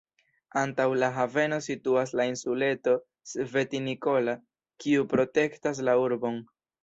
Antaŭ la haveno situas la insuleto "Sveti Nikola", kiu protektas la urbon.